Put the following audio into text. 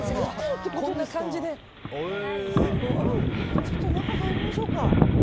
ちょっと中に入りましょうか。